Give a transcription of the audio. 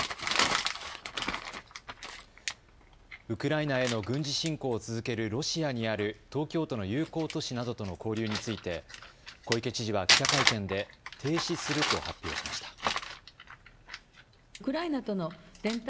ウクライナへの軍事侵攻を続けるロシアにある東京都の友好都市などとの交流について小池知事は記者会見で停止すると発表しました。